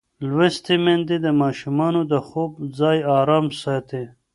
لوستې میندې د ماشومانو د خوب ځای ارام ساتي.